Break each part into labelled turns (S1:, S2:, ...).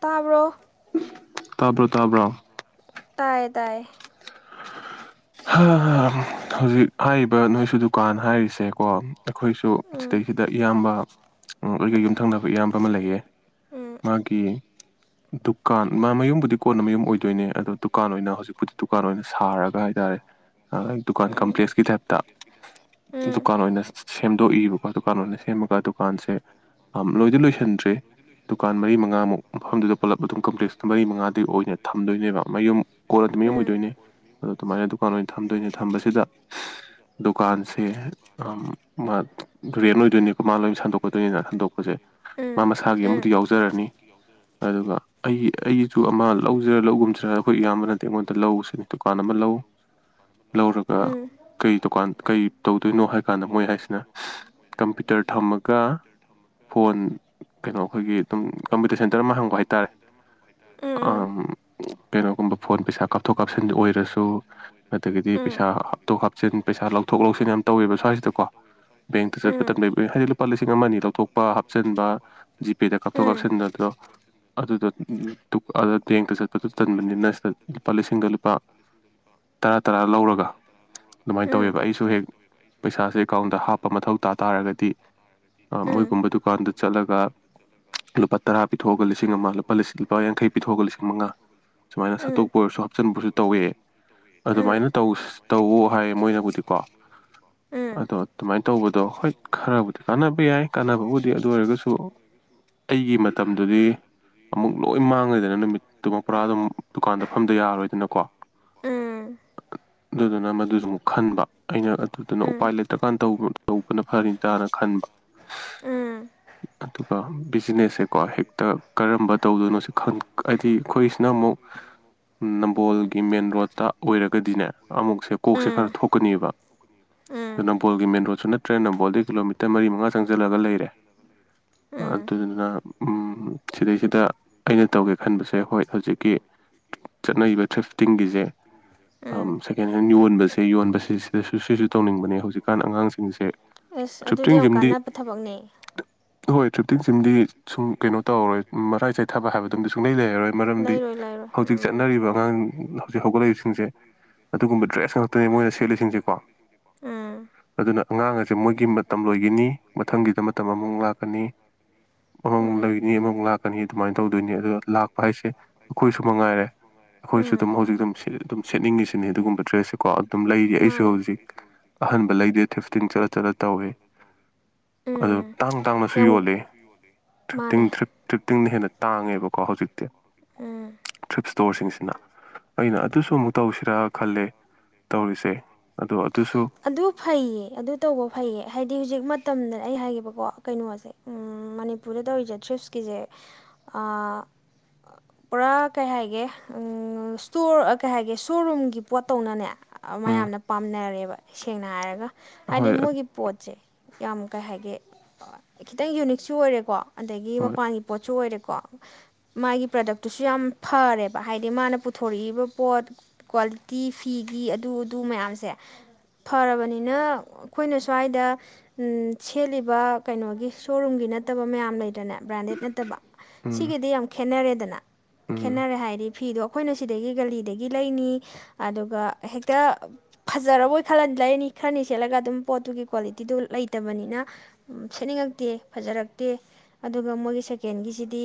S1: ꯇꯥꯕ꯭ꯔꯣ
S2: [inaudible] ꯇꯥꯕ꯭ꯔꯣ ꯇꯥꯕ꯭ꯔꯣ
S1: ꯇꯗꯥꯏ
S2: ꯍꯥ ꯍꯧꯖꯤꯛ ꯍꯥꯏꯔꯤꯕ ꯅꯣꯏꯁꯨ ꯗꯨꯀꯥꯟ ꯍꯥꯏꯔꯤꯁꯦꯀꯣ ꯑꯩꯈꯣꯏꯁꯨ
S1: ꯎꯝ
S2: ꯁꯤꯗꯩꯁꯤꯗ ꯏꯌꯥꯝꯕ ꯑꯣ ꯊꯪꯅꯕ ꯏꯌꯥꯝꯕ ꯑꯃ ꯂꯩꯌꯦ
S1: ꯎꯝ
S2: ꯃꯥꯒꯤ ꯗꯨꯀꯥꯟ ꯃꯥ ꯃꯌꯨꯝꯕꯨꯗꯤ ꯀꯣꯟꯅ ꯃꯌꯨꯝ ꯑꯣꯏꯗꯣꯏꯅꯦ ꯑꯗꯣ ꯗꯨꯀꯥꯟ ꯑꯣꯏꯅ ꯍꯧꯖꯤꯛꯄꯨꯗꯤ ꯗꯨꯀꯥꯟ ꯑꯣꯏꯅ ꯁꯥꯔꯒ ꯍꯥꯏꯇꯥꯔꯦ ꯗꯨꯀꯥꯟ
S1: ꯎꯝ
S2: ꯀꯝꯄ꯭ꯂꯦꯛꯁꯀꯤ ꯊꯦꯞ
S1: ꯎꯝ
S2: ꯂꯀꯥꯟ ꯑꯣꯏꯅ ꯑꯣꯏꯅꯁ ꯁꯦꯝꯗꯣꯛꯏꯕꯀꯣ ꯗꯨꯀꯥꯟ ꯑꯣꯏꯅ ꯁꯦꯝꯃꯒ ꯗꯨꯀꯥꯟꯁꯦ ꯂꯣꯏꯗꯤ ꯂꯣꯏꯁꯟꯗ꯭ꯔꯦ ꯗꯨꯀꯥꯟ ꯃꯔꯤ ꯃꯉꯥꯃꯨꯛ ꯃꯐꯝꯗꯨꯗ ꯄꯨꯜꯂꯞ ꯑꯗꯨꯝ ꯀꯝꯄ꯭ꯂꯦꯛꯁ ꯃꯔꯤ ꯃꯉꯥꯗꯒꯤ ꯑꯣꯏꯅ ꯊꯝꯗꯣꯏꯅꯦꯕ ꯃꯌꯨꯝ ꯀꯣꯂꯗ ꯃꯤ ꯑꯃ
S1: ꯃꯣꯏꯒꯤ
S2: ꯑꯣꯏꯗꯣꯏꯅꯦ
S1: ꯃꯥ
S2: ꯑꯗꯨ ꯑꯗꯨꯃꯥꯏꯅ ꯑꯗꯨ ꯀꯥꯟ ꯑꯣꯏꯅ ꯊꯝꯗꯣꯏꯅꯦ ꯊꯝꯕꯁꯤꯗ ꯗꯨꯀꯥꯟꯁꯦ ꯔꯦꯟ ꯑꯣꯏꯗꯣꯏꯅꯦꯀꯣ ꯀꯃꯥꯟ ꯂꯣꯏꯅ ꯁꯟꯗꯣꯛꯀꯗꯣꯏꯅꯤꯅ ꯁꯟꯗꯣꯛꯄꯁꯦ ꯃꯥ ꯃꯁꯥꯒꯤ ꯑꯃꯛꯇ ꯌꯥꯎꯖꯔꯅꯤ ꯑꯗꯨꯒ ꯑꯩꯒꯤ ꯑꯩꯒꯤꯁꯨ ꯑꯃ ꯂꯧꯁꯤꯔꯥ ꯂꯧꯒꯨꯝꯁꯤꯔ ꯑꯩꯈꯣꯏ ꯏꯌꯥꯝꯕꯅꯗꯤ ꯑꯩꯉꯣꯟꯗ ꯂꯧꯁꯤꯅꯤ ꯀꯥꯟꯗ ꯃꯥ ꯂꯧ꯫ ꯂꯧꯔꯒ
S1: ꯀꯩꯅꯣ
S2: ꯀꯩ ꯗꯨꯀꯥꯟ ꯀꯩ ꯇꯧ꯫ ꯑꯗꯨꯣꯏꯅꯣ ꯍꯥꯏꯀꯥꯟꯗ ꯃꯣꯏ ꯍꯥꯏꯁꯤꯅ ꯀꯝꯄ꯭ꯌꯨꯇꯔ ꯊꯝꯃꯒ ꯐꯣꯟ ꯀꯩꯅꯣ ꯑꯩꯈꯣꯏꯒꯤ ꯑꯗꯨꯝ ꯀꯝꯄ꯭ꯌꯨꯇꯔ ꯁꯦꯟꯇꯔ ꯑꯃ ꯍꯪꯕ ꯍꯥꯏꯇꯥꯔꯦ ꯀꯩꯅꯣꯒꯨꯝꯕ ꯐꯣꯟ ꯄꯩꯁꯥ ꯀꯥꯞꯊꯣꯛ - ꯀꯥꯞꯁꯤꯟ ꯑꯣꯏꯔꯁꯨ꯫ ꯑꯗꯒꯤꯗꯤ ꯄꯩꯁꯥ ꯍꯥꯞꯇꯣꯛ - ꯍꯥꯞꯆꯤꯟ ꯄꯩꯁꯥ ꯂꯧꯊꯣꯛ - ꯂꯧꯁꯤꯟ ꯌꯥꯝ ꯇꯧꯋꯦꯕ꯫ ꯁ꯭ꯋꯥꯏꯁꯤꯗꯀꯣ ꯕꯦꯡꯇ ꯆꯠꯄ ꯇꯟꯕꯩ ꯍꯥꯏꯗꯤ ꯂꯨꯄꯥ ꯂꯤꯁꯤꯡ ꯑꯃ ꯑꯅꯤ ꯂꯧꯊꯣꯛꯄ ꯍꯥꯞꯆꯤꯟꯕ ꯖꯤꯄꯦꯗ ꯀꯥꯞꯊꯣꯛ - ꯀꯥꯞꯁꯤꯟꯗꯗꯣ ꯑꯗꯨꯗꯣ ꯕꯦꯡꯇ ꯆꯠꯄꯗꯨ ꯇꯟꯕꯅꯤꯅ ꯁꯤꯗ ꯂꯨꯄꯥ ꯂꯤꯁꯤꯡꯗꯨ ꯂꯨꯄꯥ꯫ ꯂꯨꯄꯥ ꯇꯔꯥ ꯂꯧꯔꯒ ꯑꯗꯨꯃꯥꯏꯅ ꯇꯧꯋꯦꯕ ꯑꯩꯁꯨ ꯍꯦꯛ ꯄꯩꯁꯥ꯫ ꯃꯣꯏꯒꯨꯝꯕ ꯗꯨꯀꯥꯟꯗ ꯆꯠꯂꯒ ꯂꯨꯄꯥ ꯇꯔꯥ ꯄꯤꯊꯣꯛꯑꯒ ꯂꯤꯁꯤꯡ ꯑꯃ ꯂꯨꯄꯥ ꯂꯨꯄꯥ ꯌꯥꯡꯈꯩ ꯄꯤꯊꯣꯛꯑꯒ ꯂꯤꯁꯤꯡ ꯃꯉꯥ ꯁꯨꯃꯥꯏꯅ ꯁꯠꯇꯣꯛꯄ ꯑꯣꯏꯔꯁꯨ ꯍꯥꯞꯆꯤꯟꯕꯁꯨ ꯇꯧꯋꯦ
S1: ꯎꯝ꯫
S2: ꯑꯗꯨꯃꯥꯏꯅ ꯇꯧ ꯇꯧꯑꯣ ꯍꯥꯏꯌꯦ ꯃꯣꯏꯅꯕꯨꯗꯤꯀꯣ꯫ ꯑꯗꯣ ꯑꯗꯨꯃꯥꯏꯅ ꯇꯧꯕꯗꯣ ꯍꯣꯏ ꯈꯔꯕꯨꯗꯤ ꯀꯥꯟꯅꯕ ꯌꯥꯏ ꯀꯥꯟꯅꯕꯕꯨꯗꯤ ꯑꯗꯨ ꯑꯣꯏꯔꯒꯁꯨ ꯑꯩꯒꯤ ꯃꯇꯝꯗꯨꯗꯤ ꯑꯃꯨꯛ ꯂꯣꯏ ꯃꯥꯡꯉꯦꯗꯅ ꯅꯨꯃꯤꯠꯇꯨꯃꯥ ꯄꯨꯔꯥ ꯑꯗꯨꯝ ꯗꯨꯀꯥꯟꯗ ꯐꯝꯗ ꯌꯥꯔꯔꯣꯏꯗꯅꯀꯣ꯫
S1: ꯎꯝ
S2: ꯑꯗꯨꯗꯨꯅ ꯃꯗꯨ꯫ ꯑꯃꯣꯛ ꯈꯟꯕ ꯑꯩꯅ ꯑꯗꯨꯗꯨꯅ
S1: ꯎꯝ
S2: ꯎꯄꯥꯏ ꯂꯩꯇ꯭ꯔꯀꯥꯟ ꯇꯧꯕꯅ ꯐꯅꯤꯗꯅ ꯈꯟꯕ
S1: ꯉꯟꯅ
S2: ꯑꯗꯨꯒ ꯕꯤꯖꯤꯅꯦꯁꯁꯦꯀꯣ ꯍꯦꯛꯇ ꯀꯔꯝꯕ ꯇꯧꯗꯣꯏꯅꯣ ꯁꯤ ꯍꯥꯏꯗꯤ ꯑꯩꯈꯣꯏꯁꯤꯅ ꯑꯃꯨꯛ ꯅꯝꯕꯣꯜꯒꯤ ꯃꯦꯟ ꯔꯣꯠꯇ꯫ ꯑꯣꯏꯔꯒꯗꯤꯅꯦ ꯑꯃꯨꯛꯁꯦ꯫ ꯀꯣꯛꯁꯦ
S1: ꯎꯝ
S2: ꯈꯔ ꯊꯣꯛꯀꯅꯦꯕ
S1: ꯎꯝ
S2: ꯑ ꯅꯝꯕꯣꯜꯒꯤ ꯃꯦꯟ ꯔꯣꯗꯁꯨ ꯅꯠꯇ꯭ꯔꯦ ꯅꯝꯕꯣꯜꯗꯒꯤ ꯀꯤꯂꯣꯃꯤꯇꯔ ꯃꯔꯤ ꯃꯉꯥ ꯆꯪꯁꯤꯜꯂꯒ ꯂꯩꯔꯦ
S1: ꯎꯝ
S2: ꯑꯗꯨꯗꯨꯅ ꯁꯤꯗꯩꯁꯤꯗ ꯑꯩꯅ ꯇꯧꯒꯦ ꯈꯟꯕꯁꯦ ꯍꯣꯏ ꯍꯧꯖꯤꯛꯀꯤ ꯆꯠꯅꯔꯤꯕ ꯊꯔ꯭ꯤꯐꯇꯤꯡꯒꯤꯁꯦ꯫ ꯑ
S1: ꯎꯝ
S2: ꯁꯦꯀꯍꯦꯟꯒꯤ ꯫ ꯐꯤ ꯌꯣꯟꯕꯁꯤ ꯁꯤꯗꯁꯨ ꯁꯤꯁꯨ ꯇꯧꯅꯤꯡꯕꯅꯦ ꯍꯧꯖꯤꯛꯀꯥꯟ ꯑꯉꯥꯡꯁꯤꯡꯁꯦ
S1: ꯑꯁ ꯑꯗꯨꯗꯤ
S2: ꯊꯔ꯭ꯤꯐꯇꯤꯡ
S1: ꯌꯥꯝ
S2: ꯁꯤꯝꯗꯤ
S1: ꯀꯥꯟꯅꯕ ꯊꯕꯛꯅꯦ
S2: ꯍꯣꯏ꯫ ꯊꯔ꯭ꯤꯐꯇꯤꯡꯁꯤꯝꯗꯤ ꯁꯨꯝ ꯀꯩꯅꯣ ꯇꯧꯔꯣꯏ ꯃꯔꯥꯏ ꯆ ꯫ ꯌꯥꯔꯣꯏ ꯃꯔꯝꯗꯤ
S1: ꯂꯩꯔꯣꯏ ꯂꯩꯔꯣꯏ
S2: ꯍꯧꯖꯤꯛ
S1: ꯎꯝ
S2: ꯆꯠꯅꯔꯤꯕ ꯑꯉꯥꯡ꯫ ꯍꯧꯒꯠꯂꯛꯏꯕꯁꯤꯡꯁꯦ ꯑꯗꯨꯒꯨꯝꯕ ꯗ꯭ꯔꯦꯁ ꯉꯥꯛꯇꯅꯦ ꯃꯣꯏꯅ ꯁꯦꯠꯂꯤꯁꯤꯡꯁꯦ ꯀꯣ꯫
S1: ꯎꯝ
S2: ꯑꯗꯨꯅ꯫ ꯑꯉꯥꯡ ꯑꯁꯦ ꯃꯣꯏꯒꯤ ꯃꯇꯝ ꯂꯣꯏꯒꯅꯤ ꯃꯊꯪꯒꯤꯗ ꯃꯇꯝ ꯑꯃꯨꯛ ꯂꯥꯛꯀꯅꯤ꯫ ꯑꯃꯃꯣꯛ
S1: ꯎꯝ
S2: ꯂꯩꯅꯤ ꯑꯃꯃꯣꯛ ꯂꯥꯛꯀꯅꯤ꯫ ꯑꯗꯨꯃꯥꯏꯅ ꯇꯧꯗꯣꯏꯅꯦ ꯑꯗꯣ ꯂꯥꯛ꯫ ꯍꯥꯏꯁꯦ ꯑꯩꯈꯣꯏꯁꯨ ꯃꯉꯥꯏꯔꯦ ꯑꯩꯈꯣꯏꯁꯨ
S1: ꯎꯝ
S2: ꯑꯗꯨꯝ ꯍꯧꯖꯤꯛ꯫ ꯁꯦꯠꯇꯤ ꯑꯗꯨꯝ ꯁꯦꯠꯅꯤꯡꯉꯤꯁꯤꯅꯦ ꯑꯗꯨꯒꯨꯝꯕ ꯗ꯭ꯔꯦꯁꯁꯦꯀꯣ ꯑꯗꯨꯝ ꯂꯩꯔꯤ ꯑꯩꯁꯨ ꯍꯧꯖꯤꯛ ꯑꯍꯟꯕ ꯂꯩꯗꯦ ꯊꯔ꯭ꯤꯐꯇꯤꯡ ꯆꯠꯂ-ꯆꯠꯂ ꯇꯧꯋꯦ ꯑꯗꯣ
S1: ꯑꯗꯨꯝ
S2: ꯇꯥꯡ ꯇꯥꯡꯅꯁꯨ ꯌꯣꯜꯂꯦ ꯊꯔ꯭ꯤꯐꯇꯤꯡ
S1: ꯃꯥꯅꯦ
S2: ꯊꯔ꯭ꯤꯐ ꯇ꯭ꯔꯤꯞ ꯫ ꯇꯤꯡꯅ ꯍꯦꯟꯅ ꯇꯥꯡꯉꯦꯕꯀꯣ ꯍꯧꯖꯤꯛꯇꯤ꯫
S1: ꯎꯝ꯫
S2: ꯏꯁ꯭ꯇꯣꯔꯁꯤꯡꯁꯤꯅ꯫ ꯑꯩꯅ ꯑꯗꯨꯁꯨ ꯑꯃꯨꯛ ꯇꯧꯁꯤꯔ꯫ ꯈꯜꯂꯦ ꯇꯧꯔꯤꯁꯦ ꯑꯗꯣ꯫ ꯑꯗꯨꯁꯨ
S1: ꯑꯗꯨ ꯐꯩꯌꯦ ꯑꯗꯨ ꯇꯧꯕ ꯐꯩꯌꯦ ꯍꯥꯏꯗꯤ ꯍꯧꯖꯤꯛ ꯃꯇꯝꯗꯅ ꯑꯩ ꯍꯥꯏꯒꯦꯕ꯫ ꯀꯣ ꯀꯩꯅꯣꯁꯦ ꯃꯅꯤꯄꯨꯔꯗ ꯇꯧꯔꯤꯁꯦ ꯇ꯭ꯔꯤꯐꯁꯀꯤꯁꯦ ꯑ ꯄꯨꯔꯥ ꯀꯩ ꯍꯥꯏꯒꯦ ꯁꯇꯣꯔ ꯀꯩ ꯍꯥꯏꯒꯦ ꯁꯣꯔꯨꯝꯒꯤ ꯄꯣꯠꯇꯧꯅꯅꯦ꯫
S2: ꯎꯝ
S1: ꯃꯌꯥꯝꯅ ꯄꯥꯝꯅꯔꯦꯕ ꯁꯦꯡꯅ ꯍꯥꯏꯔꯒ ꯍꯥꯏꯗꯤ
S2: ꯍꯣꯏ
S1: ꯃꯣꯏꯒꯤ ꯄꯣꯠꯁꯦ ꯌꯥꯝ ꯀꯩ ꯍꯥꯏꯒꯦ ꯈꯤꯇꯪ ꯌꯨꯅꯤꯛꯁꯨ ꯑꯣꯏꯔꯦꯀꯣ ꯑꯗꯒꯤ
S2: ꯍꯣꯏ
S1: ꯃꯄꯥꯟꯒꯤ ꯄꯣꯠꯁꯨ ꯑꯣꯏꯔꯦꯀꯣ ꯃꯥꯒꯤ ꯄ꯭ꯔꯗꯛꯇꯨꯁꯨ ꯌꯥꯝ ꯐꯔꯦꯕ ꯍꯥꯏꯗꯤ ꯃꯥꯅ ꯄꯨꯊꯣꯔꯛꯏꯕ ꯄꯣꯠ ꯀ꯭ꯋꯥꯂꯤꯇꯤ ꯐꯤꯒꯤ ꯑꯗꯨ ꯑꯗꯨ ꯃꯌꯥꯝꯁꯦ ꯐꯔꯕꯅꯤꯅ ꯑꯩꯈꯣꯏꯅ ꯁ꯭ꯋꯥꯏꯗ ꯁꯦꯠꯂꯤꯕ ꯀꯩꯅꯣꯒꯤ ꯁꯣꯔꯨꯝꯒꯤ ꯅꯠꯇꯕ ꯃꯌꯥꯝ ꯂꯩ ꯏꯟꯇꯔꯅꯦꯠ ꯕ꯭ꯔꯥꯟꯗꯦꯗ ꯅꯠꯇꯕ
S2: ꯎꯝ
S1: ꯁꯤꯒꯤꯗꯤ ꯌꯥꯝ ꯈꯦꯠꯅꯔꯦ ꯗꯅ
S2: ꯎꯝ
S1: ꯈꯦꯠꯅꯔꯦ ꯍꯥꯏꯗꯤ ꯐꯤꯗꯣ ꯑꯩꯈꯣꯏꯅ ꯁꯤꯗꯒꯤ ꯒꯂꯤꯗꯒꯤ ꯂꯩꯅꯤ ꯑꯗꯨꯒ ꯍꯦꯛꯇ ꯐꯖꯔꯕꯣꯏ ꯈꯜ ꯂꯩꯔꯅꯤ ꯈꯔꯅꯤ ꯁꯦꯠꯂꯒ ꯑꯗꯨꯝ ꯄꯣꯠꯇꯨꯒꯤ ꯀ꯭ꯋꯥꯂꯤꯇꯤꯗꯨ ꯂꯩꯇꯕꯅꯤꯅ ꯁꯦꯠꯅꯤꯡꯉꯛꯇꯦ ꯐꯖꯔꯛꯇꯦ ꯑꯗꯨꯒ ꯃꯣꯏꯒꯤ ꯁꯦꯀꯦꯟꯒꯤꯁꯤꯗꯤ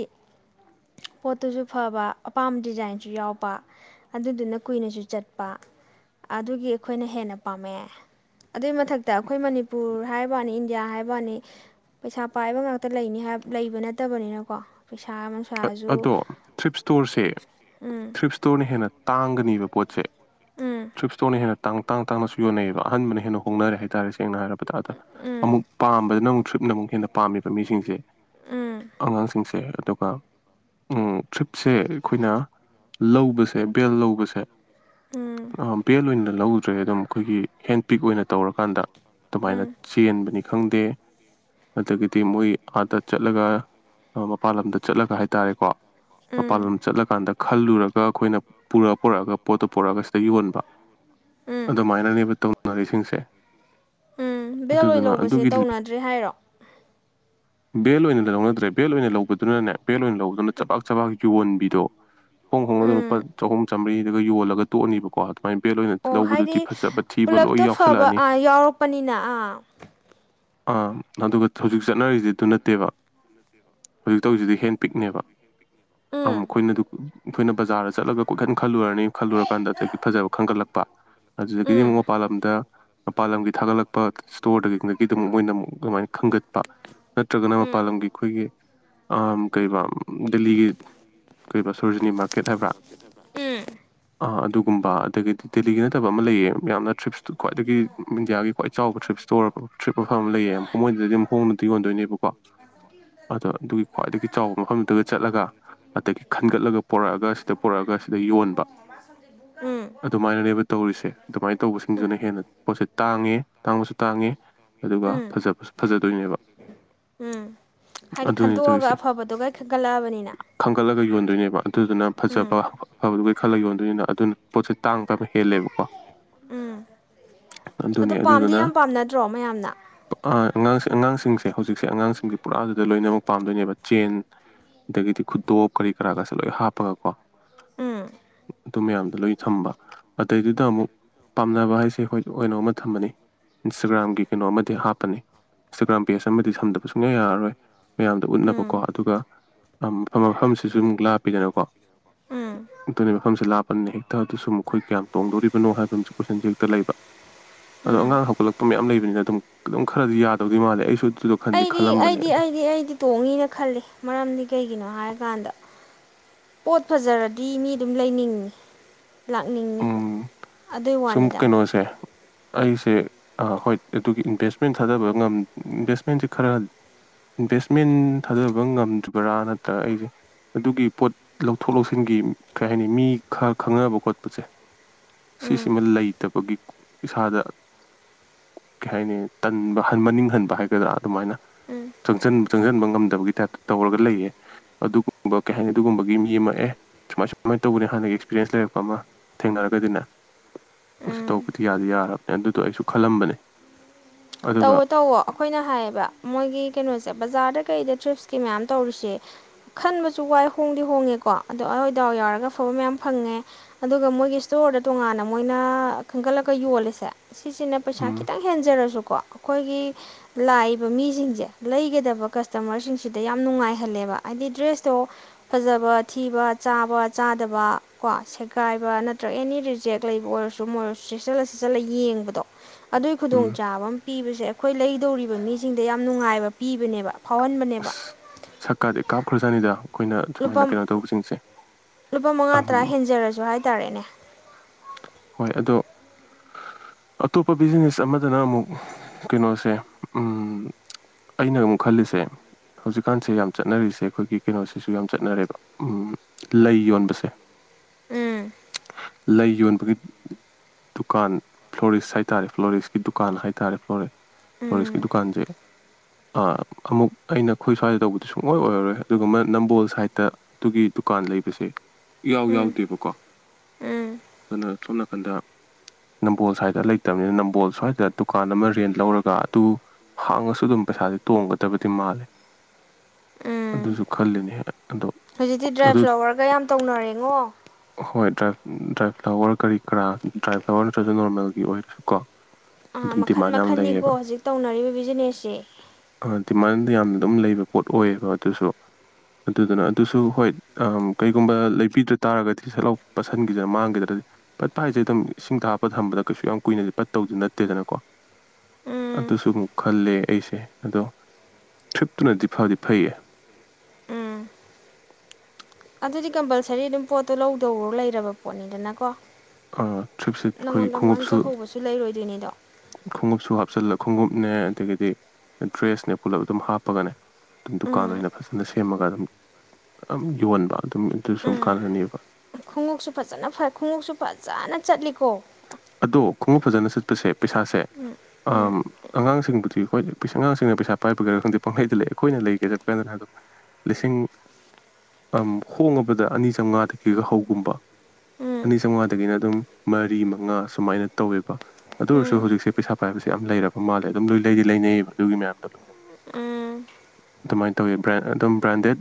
S1: ꯄꯣꯠꯇꯨꯁꯨ ꯐꯕ ꯑꯄꯥꯝꯕ ꯗꯤꯖꯥꯏꯟꯁꯨ ꯌꯥꯎꯕ ꯑꯗꯨꯗꯨꯅ ꯀꯨꯏꯅꯁꯨ ꯆꯠꯄ ꯑꯗꯨꯒꯤ ꯑꯩꯈꯣꯏꯅ ꯍꯦꯟꯅ ꯄꯥꯝꯃꯦ ꯑꯗꯨꯏ ꯃꯊꯛꯇ ꯑꯩꯈꯣꯏ ꯃꯅꯤꯄꯨꯔ ꯍꯥꯏꯕꯋꯥꯅꯤ ꯏꯟꯗꯤꯌꯥ ꯍꯥꯏꯕꯋꯥꯅꯤ ꯄꯩꯁꯥ ꯄꯥꯏꯕ ꯉꯥꯛꯇ ꯂꯩꯅꯤ ꯍꯥꯏ ꯂꯩꯕ ꯅꯠꯇꯕꯅꯤꯅꯀꯣ ꯄꯩꯁꯥ ꯅꯨꯡꯁꯥꯁꯨ
S2: ꯑꯗꯣ ꯊꯔꯤꯞ ꯏꯁꯇꯣꯔꯁꯦ
S1: ꯎꯝ
S2: ꯊꯔꯤꯞ ꯏꯁꯇꯣꯔꯅ ꯍꯦꯟꯅ ꯇꯥꯡꯒꯅꯤꯕ ꯄꯣꯠꯁꯦ
S1: ꯎꯝ
S2: ꯊꯔꯤꯞ ꯏꯁꯇ‌ꯣꯔꯅ ꯍꯦꯟꯅ ꯇꯥꯡ ꯇꯥꯡ ꯇꯥꯡꯅꯁꯨ ꯌꯣꯟꯅꯩꯕ ꯑꯍꯟꯕꯅ ꯍꯦꯟꯅ ꯍꯣꯡꯅꯔꯦ ꯍꯥꯏꯇꯥꯔꯦ ꯁ‌ꯦꯡꯅ ꯍꯥꯏꯔꯕꯗ [unintelligible]
S1: ꯎꯝ
S2: ꯑꯃꯨꯛ ꯄꯥꯝꯕꯗꯅ ꯊꯔꯤꯞꯅ ꯑꯃꯨꯛ ꯍꯦꯟꯅ ꯄꯥꯝꯃꯤꯕ ꯃꯤꯁꯤꯡꯁꯦ
S1: ꯎꯝ
S2: ꯑꯉꯥꯡꯁꯤꯡꯁꯦ ꯑꯗꯨꯒ ꯎꯝ ꯇ꯭ꯔꯤꯞꯁꯦ ꯑꯩꯈꯣꯏꯅ ꯂꯧꯕꯁꯦ ꯕꯦꯜ ꯂꯧꯕꯁꯦ
S1: ꯎꯝ
S2: ꯑ ꯆꯕ‌ꯦꯜ ꯑꯣꯏꯅ ꯂꯧꯗ꯭ꯔꯦ ꯑꯗꯨꯝ ꯑꯩꯈꯣꯏꯒꯤ ꯍꯦꯟ ꯄꯤꯛ ꯑꯣꯏꯅ ꯇꯧꯔꯀꯥꯟꯗ ꯑꯗꯨꯃꯥꯏꯅ
S1: ꯎꯝ
S2: ꯆꯦꯟꯕꯅꯤ ꯈꯪꯗꯦ ꯑꯗꯒꯤꯗꯤ ꯃꯣꯏ ꯑꯥꯗ ꯆꯠꯂꯒ ꯃꯄꯥꯟ ꯂꯝꯗ ꯆꯠꯂꯒ ꯍꯥꯏ ꯍꯥꯏꯇꯥꯔꯦꯀꯣ
S1: ꯎꯝ
S2: ꯃꯄꯥꯜꯂ‌ꯣꯝ ꯆꯠꯂꯀꯥꯟꯗ ꯈꯜꯂꯨꯔꯒ ꯑꯩꯈꯣꯏꯅ ꯄꯨꯔꯛꯑ ꯄꯨꯔꯛꯑꯒ ꯄꯣꯠꯇꯣ ꯄꯨꯔꯛꯑꯒ ꯁꯤꯗ ꯌꯣꯟꯕ
S1: ꯎꯝ
S2: ꯑꯗꯨꯃꯥꯏꯅꯅꯤꯕ ꯇꯧ ꯅꯔꯤꯁꯤꯡꯁꯦ
S1: ꯎꯝ ꯕꯦꯜ ꯑꯣꯏꯅ ꯂꯧꯕꯁꯦ ꯇꯧꯅꯗ꯭ꯔꯦ ꯍꯥꯏꯔꯣ
S2: ꯕꯦꯜ ꯑꯣꯏꯅ ꯂꯧꯅꯗ꯭ꯔꯦ ꯕꯦꯜ ꯑꯣꯏꯅ ꯂꯧꯕꯗꯨꯅꯅꯦ ꯕ‌ꯦꯜ ꯑꯣꯏꯅ ꯂꯧꯗꯨꯅ ꯆꯕꯥꯛ ꯆꯕꯥꯛ ꯌꯣꯟꯕꯤꯗꯣ ꯍꯣꯡꯅ ꯍꯣꯡꯅ ꯑꯗꯨꯝ
S1: ꯎꯝ
S2: ꯂꯨꯄꯥ ꯆꯍꯨꯝ ꯆꯥꯝꯔꯤ ꯁꯤꯒ ꯌꯣꯜꯂꯒ ꯇꯣꯛꯑꯅꯤꯕꯀꯣ ꯑꯗꯨ
S1: ꯑꯣ ꯍꯥꯏꯗꯤ
S2: ꯂꯣꯏ
S1: ꯄꯨꯂꯞꯇꯣ ꯐꯕ
S2: ꯌꯥꯎꯁꯜꯂꯛꯑꯅꯤ
S1: ꯌꯥꯎꯔꯛꯄꯅꯤꯅ ꯑꯥ
S2: ꯑꯥ ꯑꯗꯨꯒ ꯍꯧꯖꯤꯛ ꯆꯠꯅꯔꯤꯁꯤ ꯑꯗꯨ ꯅꯠꯇꯦꯕ ꯍꯧꯖꯤꯛ ꯇꯧꯔꯤꯁꯤꯗꯤ ꯍꯦꯟ ꯄꯤꯛꯅꯦꯕ ꯑ
S1: ꯎꯝ
S2: ꯃꯈꯣꯏꯅ ꯑꯗꯨ ꯑꯩꯈꯣꯏꯅ ꯕꯖꯥꯔꯗ ꯆꯠꯂꯒ ꯀꯣꯏꯈꯟ ꯈ ꯈꯜꯂꯨꯔꯅꯤ ꯈꯜꯂꯨꯔꯀꯥꯟꯗ ꯑꯗꯒꯤ ꯐꯖꯕ ꯈꯟꯒꯠꯂꯛꯄ ꯑꯗꯨꯗꯒꯤꯗꯤ
S1: ꯎꯝ
S2: ꯑꯃꯨꯛ ꯃꯄꯥꯟ ꯂꯝꯗ ꯃꯄꯥꯟ ꯂꯝꯒꯤ ꯊꯥꯒꯠꯂꯛꯄ ꯏꯁꯇꯣꯔꯗꯒꯤꯗꯒꯤ ꯑꯗꯨ ꯑꯃꯨꯛ ꯃꯣꯏꯅ ꯑꯃꯨꯛ ꯑꯗꯨꯃꯥꯏꯅ ꯈꯟꯒꯠꯄ ꯅꯠꯇ꯭ꯔꯒꯅ
S1: ꯎꯝ
S2: ꯃꯄꯥꯟ ꯂꯝꯒꯤ ꯑꯩꯈꯣꯏꯒꯤ ꯑ ꯀꯕ ꯗꯦꯜꯂꯤꯒꯤ ꯀ ꯁꯣꯔꯖꯤꯅꯤ ꯃꯥꯔꯀꯦꯠ ꯍꯥꯏꯕ꯭ꯔꯥ
S1: ꯎꯝ
S2: ꯑ ꯑꯗꯨ ꯒꯨꯝꯕ ꯑꯗꯒꯤꯗꯤ ꯗꯦꯜꯂꯤꯒꯤ ꯅꯠꯇꯕ ꯑꯃ ꯂꯩꯑꯌꯦ ꯌꯥꯝꯅ ꯇ꯭ꯔꯤꯞꯁꯇꯨ ꯈ꯭ꯋꯥꯏꯗꯒꯤ ꯏꯟꯗꯤꯌꯥꯒꯤ ꯈ꯭ꯋꯥꯏ ꯆꯥꯎꯕ ꯇ꯭ꯔꯤꯞꯁꯇꯨ ꯑꯣꯏꯔꯕ ꯇ꯭ꯔꯤꯞ ꯃꯐꯝ ꯑꯃ ꯂꯩꯌꯦ ꯑꯃ ꯃꯣꯏꯗꯗꯤ ꯑꯃꯨꯛ ꯍꯣꯡꯅꯗꯤ ꯌꯣꯟꯗꯣꯏꯅꯦꯕꯀꯣ ꯑꯗ ꯑꯗꯨꯒꯤ ꯈ꯭ꯋꯥꯏꯗꯒꯤ ꯆꯥꯎꯕ ꯃꯐꯝꯗꯨꯗ ꯆꯠꯂꯒ ꯑꯗꯒꯤ ꯈꯟꯒꯠꯂꯒ ꯄꯣꯔꯛꯑꯒ ꯁꯤꯗ ꯄꯣꯔꯛꯑꯒ ꯁꯤꯗ ꯌꯣꯟꯕ
S1: ꯎꯝ
S2: ꯑꯗꯨꯃꯥꯏꯅꯅꯦꯕ ꯇꯧꯔꯤꯁꯦ ꯑꯗꯨꯃꯥꯏꯅ ꯇꯧꯕꯁꯤꯡꯗꯨꯅ ꯍꯦꯟꯅ ꯄꯣꯠꯁꯦ ꯇꯥꯡꯉꯦ ꯇꯥꯡꯕꯁꯨ ꯇꯥꯡꯉꯦ ꯑꯗꯨꯒ
S1: ꯎꯝ
S2: ꯐꯖꯕꯁꯨ ꯐꯖꯗꯣꯏꯅꯦꯕ
S1: ꯎꯝ ꯍꯥꯏꯗꯤ
S2: ꯑꯗꯨꯅꯤ
S1: ꯈꯟꯇꯣꯛꯑꯒ
S2: ꯇꯧꯔꯤꯁꯦ
S1: ꯑꯐꯕꯗꯨꯒ ꯈꯟꯒꯠꯂꯛꯑꯕꯅꯤꯅ
S2: ꯈꯟꯒꯠꯂꯒ ꯌꯣꯟꯗꯣꯏꯅꯦꯕ ꯑꯗꯨꯗꯨꯅ
S1: ꯎꯝ
S2: ꯐꯖꯕ ꯑꯐꯕꯗꯨ ꯈꯜꯂꯒ ꯌꯣꯟꯗꯣꯏꯅꯤ ꯑꯗꯨꯅ ꯄꯣꯠꯁꯦ ꯇꯥꯡꯕ ꯀꯕ ꯍꯦꯜꯂꯦꯕꯀꯣ
S1: ꯎꯝ
S2: ꯑꯗꯨꯅꯤ
S1: ꯑꯗꯨ ꯄꯥꯝꯗꯤ
S2: ꯑꯗꯨꯗꯨꯅ
S1: ꯌꯥꯝ ꯄꯥꯝꯅꯗ꯭ꯔꯣ ꯃꯌꯥꯝꯅ
S2: ꯑꯉꯥꯡꯁꯦ ꯑꯉꯥꯡꯁꯤꯡꯁꯦ ꯍꯧꯖꯤꯛꯁꯦ ꯑꯉꯥꯡꯁꯤꯡꯁꯦ ꯄꯨꯔꯥꯗꯨꯗ ꯂꯣꯏꯅꯃꯛ ꯄꯥꯝꯗꯣꯏꯅꯦꯕ ꯆꯦꯟ ꯑꯗꯒꯤꯗꯤ ꯈꯨꯇꯣꯞ ꯀꯔꯤ ꯀꯔꯥꯒꯁꯦ ꯂꯣꯏ ꯍꯥꯞꯄꯒ ꯀꯣ
S1: ꯎꯝ
S2: ꯎ ꯑꯗꯨ ꯃꯌꯥꯝꯗꯣ ꯂꯣꯏꯅ ꯊꯝꯕ ꯑꯗꯩꯗꯨꯗ ꯑꯃꯨꯛ ꯄꯥꯝꯅꯕ ꯍꯥꯏꯁꯦ ꯑꯩꯈꯣꯏ ꯀꯩꯅꯣ ꯑꯃ ꯊꯝꯃꯅꯤ ꯏꯟꯁꯇꯒ꯭ꯔꯥꯝꯒꯤ ꯀꯩꯅꯣ ꯑꯃꯗꯤ ꯍꯥꯞꯄꯅꯤ ꯏꯟꯁꯇꯥꯒ꯭ꯔꯥꯝ ꯄꯦꯖ ꯑꯃꯗꯤ ꯊꯝꯗꯕ ꯁꯨꯡꯌꯥ ꯌꯥꯔꯔꯣꯏ ꯃꯌꯥꯝꯗ
S1: ꯎꯝ
S2: ꯎꯠꯅꯕꯀꯣ ꯑꯗꯨꯒ ꯃꯐꯝ ꯃꯐꯝꯁꯤꯁꯨ ꯑꯃꯨ ꯂꯥꯞꯄꯤꯗꯅꯀꯣ
S1: ꯎꯝ
S2: ꯑꯗꯨꯅꯤ ꯃꯐꯝꯁꯦ ꯂꯥꯞꯄꯅꯤꯅ ꯍꯦꯛꯇ ꯑꯗꯨꯁꯨ ꯃꯈꯣꯏ ꯀꯌꯥꯝ ꯇꯣꯡꯗꯣꯔꯤꯕꯅꯣ ꯍꯥꯏꯕ ꯑꯃꯁꯨ ꯀꯣꯏꯁꯟꯁꯦ ꯍꯦꯛꯇ ꯂꯩꯕ ꯑꯗꯣ
S1: ꯎꯝ
S2: ꯑꯉꯥꯡ ꯍꯧꯒꯠꯂꯛꯄ ꯃꯌꯥꯝ ꯂꯩꯕꯅꯤꯅ ꯑꯗꯨꯝ ꯈꯔꯗꯤ ꯌꯥꯗꯧꯗꯣꯏ ꯃꯥꯜꯂꯦ ꯑꯩꯁꯨ ꯑꯗꯨꯗꯣ ꯈꯟꯗꯤ
S1: ꯑꯩꯗꯤ
S2: ꯈꯜꯂꯝꯕꯅꯦ
S1: ꯑꯩꯗꯤ
S2: ꯑꯗꯣ
S1: ꯑꯩꯗꯤ ꯑꯩꯗꯤ ꯇꯣꯡꯉꯤꯅ ꯈꯜꯂꯤ ꯃꯔꯝꯗꯤ ꯀꯩꯒꯤꯅꯣ ꯍꯥꯏꯔꯀꯥꯟꯗ ꯄꯣꯠ ꯐꯖꯔꯗꯤ ꯃꯤ ꯑꯗꯨꯝ ꯂꯩꯅꯤꯡꯉꯤ ꯂꯥꯛꯅꯤꯡꯉꯤ ꯑꯗꯨꯏ
S2: ꯁꯃ
S1: ꯋꯥꯅꯤꯗ
S2: ꯀꯩꯅꯣꯁꯦ ꯑꯩꯁꯦ ꯍꯣꯏ ꯑꯗꯨꯒꯤ ꯏꯟꯚꯦꯁꯃꯦꯟ ꯊꯥꯗꯕ ꯏꯟꯚꯦꯁꯃꯦꯟꯁꯦ ꯈꯔ ꯏꯟꯚꯦꯁꯃꯦꯟ ꯊꯥꯗꯕ ꯉꯝꯗ꯭ꯔꯤꯕ꯭ꯔꯥ ꯅꯠꯇ꯭ꯔꯒ ꯑꯩꯁꯦ ꯑꯗꯨꯒꯤ ꯄꯣꯠ ꯂꯧꯊꯣꯛ ꯂꯧꯁꯤꯟꯒꯤ ꯀꯩ ꯍꯥꯏꯅꯤ ꯃꯤ ꯈꯔ ꯈꯪꯅꯕ ꯈꯣꯠꯄꯁꯦ
S1: ꯎꯝ
S2: ꯁꯤꯁꯤꯃ ꯂꯩꯇꯕꯒꯤ ꯏꯁꯥꯗ ꯀꯩ ꯍꯥꯏꯅꯤ ꯇꯟꯕ ꯍꯟꯕ ꯅꯤꯡꯍꯟꯕ ꯍꯥꯏꯒꯗ꯭ꯔꯥ ꯑꯗꯨꯃꯥꯏꯅ
S1: ꯎꯝ
S2: ꯆꯪꯟ ꯆꯪꯁꯤꯟꯕ ꯉꯝꯗꯕꯒꯤ ꯇꯥꯏꯞꯇ ꯇꯧꯔꯒ ꯂꯩꯌꯦ ꯑꯗꯨꯒꯨꯝꯕ ꯀꯩ ꯍꯥꯏꯅꯤ ꯑꯗꯨꯒꯨꯝꯕꯒꯤ ꯃꯤ ꯑꯃꯑ ꯁꯨꯃꯥꯏ ꯁꯨꯃꯥꯏꯅ ꯇꯧꯕꯅꯦ ꯍꯥꯟꯅꯒꯤ ꯑꯦꯛꯁꯄꯤꯔꯤꯌꯦꯦꯟꯁ ꯂꯩꯔꯛꯄ ꯑꯃ ꯊꯦꯡꯅꯔꯒꯗꯤꯅꯦ ꯑꯗꯨ
S1: ꯎꯝ
S2: ꯇꯧꯕꯗꯤ ꯌꯥꯗꯤ ꯌꯥꯔꯕꯅꯦ ꯑꯗꯨꯗꯣ ꯑꯩꯁꯨ ꯈꯜꯂꯝꯕꯅꯦ ꯑꯗꯨꯒ
S1: ꯇꯧꯋꯣ ꯇꯧꯋꯣ ꯑꯩꯈꯣꯏꯅ ꯍꯥꯏꯌꯦꯕ ꯃꯣꯏꯒꯤ ꯀꯩꯅꯣꯁꯦ ꯕꯖꯥꯔꯗ ꯀꯩꯗ ꯇ꯭ꯔꯤꯞꯁꯀꯤ ꯃꯌꯥꯝ ꯇꯧꯔꯤꯁꯦ ꯈꯟꯕꯁꯨ ꯋꯥꯏ ꯍꯣꯡꯗꯤ ꯍꯣꯡꯉꯦꯀꯣ ꯑꯗꯣ ꯑꯩꯋꯥꯏꯗꯥꯎꯏ ꯌꯥꯎꯔꯒ ꯑꯐꯕ ꯃꯌꯥꯝ ꯐꯪꯉꯦ ꯑꯗꯨꯒ ꯃꯣꯏꯒꯤ ꯁ꯭ꯇꯣꯔꯗ ꯇꯣꯉꯥꯟꯅ ꯃꯣꯏꯅ ꯈꯟꯒꯠꯂꯒ ꯌꯣꯜꯂꯤꯁꯦ ꯁꯤꯁꯤꯅ ꯄꯩꯁꯥ
S2: ꯎꯝ
S1: ꯈꯤꯇꯪ ꯍꯦꯟꯖꯔꯁꯨꯀꯣ ꯑꯩꯈꯣꯏꯒꯤ ꯂꯥꯛꯏꯕ ꯃꯤꯁꯤꯡꯁꯦ ꯂꯩꯒꯗꯕ ꯀꯁꯇꯃꯔꯁꯤꯡꯁꯤꯗ ꯌꯥꯝ ꯅꯨꯡꯉꯥꯏꯍꯜꯂꯦꯕ ꯍꯥꯏꯗꯤ ꯗ꯭ꯔꯦꯁꯇꯣ ꯐꯖꯕ ꯊꯤꯕ ꯆꯥꯕ ꯆꯥꯗꯕ ꯀꯣ ꯁꯦꯒꯥꯏꯕ ꯅꯠꯇ꯭ꯔꯒ ꯑꯦꯅꯤ ꯔꯤꯖꯦꯛ ꯂꯩꯕ ꯑꯣꯏꯔꯁꯨ ꯃꯣꯏꯔꯁꯨ ꯁꯤꯠꯆꯠꯂ ꯁꯤꯠ ꯆꯠꯂ ꯌꯦꯡꯕꯗꯣ ꯑꯗꯨꯒꯤ ꯈꯨꯗꯣꯡ
S2: ꯎꯝ
S1: ꯆꯥꯕ ꯄꯤꯕꯁꯦ ꯑꯩꯈꯣꯏ ꯂꯩꯗꯧꯔꯤꯕ ꯃꯤꯁꯤꯡꯗ ꯌꯥꯝ ꯅꯨꯡꯉꯥꯏꯕ ꯄꯤꯕꯅꯦꯕ ꯐꯥꯎꯍꯟꯕꯅꯦꯕ
S2: ꯁꯛꯀꯥꯗꯤ ꯀꯥꯞ ꯈ ꯁꯅꯤꯗ
S1: ꯂꯨꯄꯥ ꯂꯨꯄꯥ ꯃꯉꯥ ꯇꯔꯥ
S2: ꯑꯝ
S1: ꯍꯦꯟꯖꯔꯁꯨ ꯍꯥꯏꯇꯥꯔꯦꯅꯦ
S2: ꯍꯣꯏ ꯑꯗꯣ ꯑꯇꯣꯞꯄ ꯕꯤꯖꯤꯅꯦꯁ ꯑꯃꯗꯅ ꯑꯃꯨꯛ ꯀꯩꯅꯣꯁꯦ ꯎ ꯑꯩꯅ ꯑꯃꯨꯛ ꯈꯜꯂꯤꯁꯦ ꯍꯧꯖꯤꯛꯀꯥꯟꯁꯦ ꯌꯥꯝ ꯆꯠꯅꯔꯤꯁꯦ ꯑꯩꯈꯣꯏꯒꯤ ꯀꯩꯅꯣꯁꯤꯁꯨ ꯌꯥꯝ ꯆꯠꯅꯔꯦꯕ ꯂꯩ ꯌꯣꯟꯕꯁꯦ
S1: ꯎꯝ
S2: ꯂꯩ ꯌꯣꯟꯕꯒꯤ ꯗꯨꯀꯥꯟ ꯐ꯭ꯂꯣꯔꯤꯛꯁ ꯍꯥꯏꯇꯥꯔꯦ ꯐ꯭ꯂꯣꯔꯤꯛꯁꯀꯤ ꯗꯨꯀꯥꯟ ꯍꯥꯏꯇꯥꯔꯦ ꯐ꯭ꯂ ꯐ꯭ꯂꯣꯔꯤꯛꯁꯀꯤ
S1: ꯎꯝ
S2: ꯗꯨꯀꯥꯟꯁꯦ ꯑ ꯑꯃꯨꯛ ꯑꯩꯅ ꯑꯩꯈꯣꯏ ꯁ꯭ꯋꯥꯏꯗ ꯇꯧꯕꯗꯤ ꯁꯨꯡꯑꯣꯣꯏ ꯑꯣꯏꯔꯔꯣꯏ ꯑꯗꯨꯒ ꯑꯃ ꯅꯝꯕꯣꯜ ꯁꯥꯏꯠꯇ ꯑꯗꯨꯒꯤ ꯗꯨꯀꯥꯟ ꯂꯩꯕꯁꯦ ꯏ ꯌꯥꯎ
S1: ꯎꯝ
S2: ꯌꯥꯎꯗꯦꯕꯀꯣ
S1: ꯎꯝ
S2: ꯑꯗꯨꯅ ꯁꯣꯝ ꯅꯥꯀꯟꯗ ꯅꯝꯕꯣꯜ ꯁꯥꯏꯠꯇ ꯂꯩꯇꯕꯅꯤꯅ ꯅꯝꯕꯣꯜ ꯁ꯭ꯋꯥꯏꯗ ꯗꯨꯀꯥꯟ ꯑꯃ ꯔꯦꯟ ꯂꯧꯔꯒ ꯑꯗꯨ ꯍꯥꯡꯉꯁꯨ ꯑꯗꯨꯝ ꯄꯩꯁꯥꯥꯁꯦ ꯇꯣꯡꯒꯗꯕꯅꯤ ꯁꯤ ꯃꯥꯜꯂꯦ
S1: ꯎꯝ
S2: ꯑꯗꯨꯁꯨ ꯈꯜꯂꯤꯅꯦ ꯑꯗꯣ
S1: ꯍꯧꯖꯤꯛꯇꯤ ꯗ꯭ꯔꯥꯏ
S2: ꯑꯗꯨ
S1: ꯐ꯭ꯂꯥꯋꯔꯒ ꯌꯥꯝ ꯇꯧꯅꯔꯦꯉꯣ
S2: ꯍꯣꯏ ꯗ꯭ꯔꯥꯏ ꯐ꯭ꯂꯥꯋꯔ ꯀꯔꯤ ꯀꯔꯥ ꯗ꯭ꯔꯥꯏ ꯐ꯭ꯂꯥꯋꯔ ꯅꯠꯇ꯭ꯔꯁꯨ ꯅꯣꯔꯃꯦꯜꯒꯤ ꯑꯣꯏꯔꯁꯨ ꯀꯣ ꯑꯗꯨꯝ
S1: ꯃꯈ
S2: ꯗꯤꯃꯥꯟ ꯌꯥꯝ
S1: ꯃꯈꯅꯤꯀꯣ
S2: ꯂꯩꯌꯦꯕ
S1: ꯍꯧꯖꯤꯛ ꯇꯧꯅꯔꯤꯕ ꯕꯤꯖꯤꯅꯦꯁꯦ
S2: ꯗꯤꯃꯥꯟꯗ ꯌꯥꯝꯅ ꯑꯗꯨꯝ ꯂꯩꯕ ꯄꯣꯠ ꯑꯣꯏꯌꯦꯕ ꯑꯗꯨꯁꯨ ꯑꯗꯨꯗꯨꯅ ꯑꯗꯨꯁꯨ ꯍꯣꯏ ꯀꯩꯒꯨꯝꯕ ꯂꯩꯕꯤꯗ ꯇꯥꯔꯒꯗꯤ ꯁꯂꯥꯎ ꯄꯠꯁꯤꯟꯈꯤꯗ꯭ꯔꯥ ꯃꯥꯡꯈꯤꯗ꯭ꯔꯗꯤ ꯄꯠꯄ ꯍꯥꯏꯁꯦ ꯑꯗꯨꯝ ꯏꯁꯤꯡ ꯇꯥ ꯍꯥꯞꯄ ꯊꯝꯕꯗ ꯀꯩꯁꯨ ꯌꯥꯝ ꯀꯨꯏꯅꯗꯤ ꯄꯠꯇꯧꯗꯤ ꯅꯠꯇꯦꯗꯅꯀꯣ
S1: ꯎꯝ
S2: ꯑꯗꯨꯁꯨ ꯑꯃꯨꯛ ꯈꯜꯂꯦ ꯑꯩꯁꯦ ꯑꯗꯣ ꯆꯨꯞꯇꯨꯅꯗꯤ ꯐꯥꯎꯗꯤ ꯐꯩꯌꯦ
S1: ꯎꯝ ꯑꯗꯨꯗꯤ ꯀꯝꯄꯜꯁꯔꯤ ꯑꯗꯨꯝ ꯄꯣꯠꯇꯣ ꯂꯧꯗꯔꯣ ꯂꯩꯔꯕ ꯄꯣꯠꯅꯤꯗꯅꯀꯣ
S2: ꯇ꯭ꯔꯤꯞꯁꯦ ꯑꯩꯈꯣꯏ
S1: ꯅꯪꯉꯣꯟꯗ
S2: ꯈꯣꯡꯎꯞꯁꯨ
S1: ꯃꯥꯡꯖꯍꯧꯕꯁꯨ ꯂꯩꯔꯣꯏꯗꯣꯏꯅꯤꯗꯣ
S2: ꯈꯣꯡꯎꯞꯁꯨ ꯍꯥꯞ ꯍꯥꯨꯞꯞꯆꯜꯂꯒ ꯈꯣꯡꯎꯞꯅꯦ ꯑꯗꯒꯤꯗꯤ ꯗ꯭ꯔꯦꯁꯅꯦ ꯄꯨꯂꯞ ꯑꯗꯨꯝ ꯍꯥꯞꯄꯒꯅꯦ ꯑꯗꯨꯝ ꯗꯨꯀꯥꯟ
S1: ꯎꯝ
S2: ꯑꯣꯏꯅ ꯐꯖꯅ ꯁꯦꯝꯃꯒ ꯑꯗꯨꯝ ꯌꯣꯟꯕ ꯑꯗꯨꯝ ꯑꯗꯨꯁꯨꯝ
S1: ꯎꯝ
S2: ꯀꯥꯟꯅꯅꯤꯕ
S1: ꯈꯣꯡꯎꯞꯁꯨ ꯐꯖꯅ ꯐꯩ ꯈꯣꯡꯎꯞꯁꯨ ꯐꯖꯅ ꯆꯠꯂꯤꯣ
S2: ꯑꯗꯣ ꯈꯣꯡꯎꯞ ꯐꯖꯅ ꯆꯠꯄꯁꯦ ꯄꯩꯁꯥꯁꯦ ꯑꯝ
S1: ꯎꯝ
S2: ꯑꯉꯥꯡꯁꯤꯡꯕꯨꯗꯤ ꯍꯣꯏ ꯑꯉꯥꯡꯁꯤꯡꯅ ꯄꯩꯁꯥ ꯄꯥꯏꯕꯒꯦꯔꯥ ꯈꯪꯗꯦ ꯄꯪꯍꯩꯗ ꯂꯩꯦ ꯑꯩꯈꯣꯏꯅ ꯂꯩꯒꯦ ꯆꯠꯄ ꯀꯥꯟꯗꯅ ꯑꯗꯨꯝ ꯂꯤꯁꯤꯡ ꯍꯣꯡꯉꯕꯗ ꯑꯅꯤ ꯆꯥꯝꯃꯉꯥꯗꯒꯤꯒ ꯍꯧꯒꯨꯝꯕ
S1: ꯎꯝ
S2: ꯑꯅꯤ ꯆꯥꯝꯉꯥꯗꯒꯤꯅ ꯑꯗꯨꯝ ꯃꯔꯤ ꯉꯥ ꯁꯨꯃꯥꯏꯅ ꯇꯧꯋꯦꯕ ꯑꯗꯨ ꯑꯣꯏꯔꯁꯨ ꯍꯧꯖꯤꯛꯁꯦ ꯄꯩꯁꯥ ꯄꯥꯏꯕꯁꯦ ꯌꯥꯝ ꯂꯩꯔꯕ ꯃꯥꯜꯂꯦ ꯑꯗꯨꯝ ꯂꯣꯏ ꯂꯩꯗꯤ ꯂꯩꯅꯩꯌꯦꯕ ꯑꯗꯨꯒꯤ ꯃꯌꯥꯝꯗꯣ ꯂꯣꯏꯅꯃꯛ ꯑꯗꯨꯃꯥꯏꯅ ꯇꯧꯋꯦ ꯕ꯭ꯔꯦꯟ ꯑꯗꯨꯝ ꯕ꯭ꯔꯥꯟꯗꯦꯠ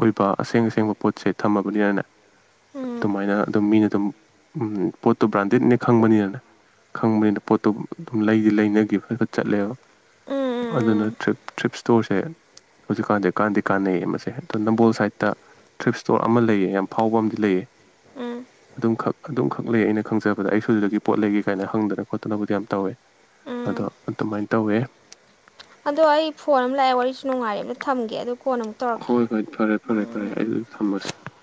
S2: ꯑꯣꯏꯕ ꯑꯁꯦꯡ ꯑꯁꯦꯡꯕ ꯄꯣꯠꯁꯦ ꯊꯝꯃꯕꯅꯤꯅꯅꯦ ꯑꯗꯨꯃꯥꯏꯅ ꯑꯗꯨꯝ ꯃꯤꯅ ꯑꯗꯨꯝ ꯄꯣꯠ ꯄꯣꯠꯇꯣ ꯕ꯭ꯔꯥꯟꯗꯦꯗꯅꯦ ꯈꯪꯕꯅꯤꯅ ꯈꯪꯕꯅꯤꯅ ꯄꯣꯠꯇꯣ ꯑꯗꯨꯝ ꯂꯩꯗꯤ ꯂꯩꯅꯒꯤ ꯐꯖ ꯆꯠꯂꯦꯕ ꯑꯗꯨ ꯑꯗꯨꯅ ꯇꯔꯤꯞ ꯇꯔꯤꯞ ꯏꯁꯇꯣꯔꯁꯦ ꯍꯧꯖꯤꯛꯀꯥꯟꯁꯦ ꯀꯥꯟꯅꯗꯤ ꯀꯥꯟꯅꯩꯌꯦ ꯃꯁꯦ ꯑꯗꯣ ꯅꯝꯕꯣꯜ ꯁꯥꯏꯠꯇ ꯇ꯭ꯔꯤꯞ ꯏꯁꯇꯣꯔ ꯑꯃ ꯂꯩꯌꯦ ꯌꯥꯝ ꯐꯥꯎꯕ ꯑꯃꯗꯤ ꯂꯩꯑꯦ
S1: ꯎꯝ
S2: ꯑꯗꯨꯝꯈꯛ ꯂꯩ ꯑꯩꯅ ꯈꯪꯖꯕꯗ ꯑꯩ ꯁꯨꯁꯤꯗꯒꯤ ꯄꯣꯠ ꯂꯩꯒꯦ ꯀꯥꯏꯅ ꯍꯪꯗꯅ ꯈꯣꯠꯇꯅꯕꯨꯗꯤ ꯌꯥꯝ ꯇꯧꯋꯦ ꯑꯗꯣ ꯑꯗꯨꯃꯥꯏꯅ ꯇꯧꯋꯦ
S1: ꯑꯗꯣ ꯑꯩ ꯐꯣꯟ ꯑꯃ ꯂꯥꯛꯑꯦ ꯋꯥꯔꯤꯁꯨ ꯅꯨꯡꯉꯥꯏꯔꯦ ꯑꯗꯣ ꯊꯝꯒꯦ ꯑꯗꯨ ꯀꯣꯟꯅ ꯑꯃꯨꯛ ꯇꯧꯔꯛꯀꯦ
S2: ꯍꯣꯏ ꯍꯣꯏ ꯊꯔꯦ ꯐꯔꯦ ꯐꯔꯦ ꯑꯩꯗꯨꯗꯤ ꯊꯝꯝꯕꯁꯤꯦ